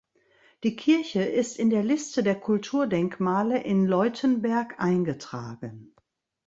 Die Kirche ist in der Liste der Kulturdenkmale in Leutenberg eingetragen.